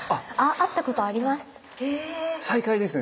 会ったことあります！